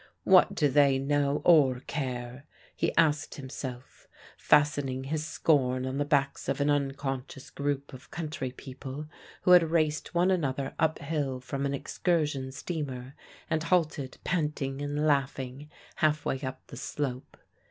"What do they know or care?" he asked himself, fastening his scorn on the backs of an unconscious group of country people who had raced one another uphill from an excursion steamer and halted panting and laughing half way up the slope.